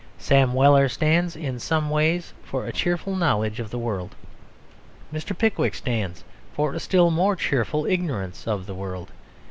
Sam Weller stands in some ways for a cheerful knowledge of the world; Mr. Pickwick stands for a still more cheerful ignorance of the world.